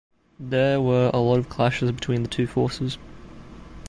There were a lot of clashes between the two forces.